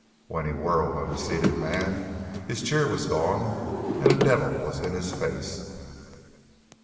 When he whirled on the seated man his cheer was gone and a devil was in his face.